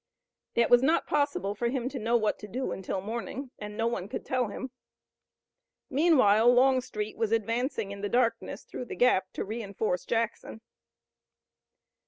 It was not possible for him to know what to do until morning, and no one could tell him. Meanwhile Longstreet was advancing in the darkness through the Gap to reinforce Jackson.